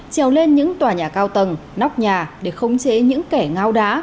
trèo lên những tòa nhà cao tầng nóc nhà để khống chế những kẻ ngao đá